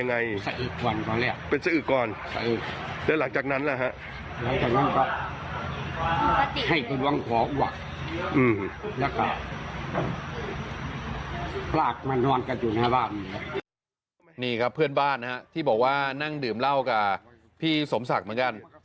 นี่ครับเพื่อนบ้านนะฮะที่บอกว่านั่งดื่มเหล้ากับพี่สมศักดิ์เหมือนกัน